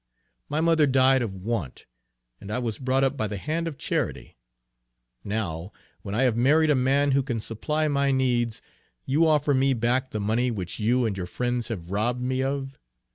My mother died of want, and I was brought up by the hand of charity. Now, when I have married a man who can supply my needs, you offer me back the money which you and your friends have robbed me of!